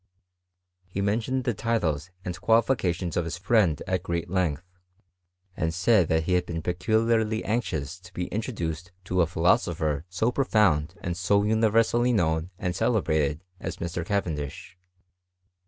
He mentioned the titles and qualifications of his friend at great VOL. 1. Z F CHEHIHTRY. 1 length, and satd that he had ^xea peculiarly anuoiM to be introduced to a philosopher so profound and f universally known and celebrated aa Mr. Cavendiab.